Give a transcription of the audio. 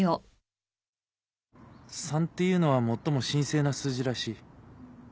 ３っていうのは最も神聖な数字らしい。